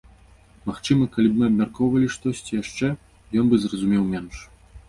Магчыма, калі б мы абмяркоўвалі штосьці яшчэ, ён бы зразумеў менш.